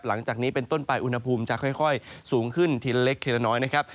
หลังจากนี้เป็นต้นไปอุณหภูมิจะค่อยสูงขึ้นทีละเล็กทีละน้อยนะครับ